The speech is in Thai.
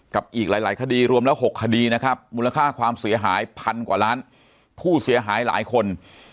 อีกหลายคดีรวมแล้ว๖คดีนะครับมูลค่าความเสียหายพันกว่าล้านผู้เสียหายหลายคน